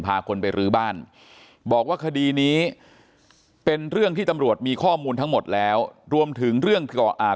พาคนไปรื้อบ้านบอกว่าคดีนี้เป็นเรื่องที่ตำรวจมีข้อมูลทั้งหมดแล้วรวมถึงเรื่องอ่า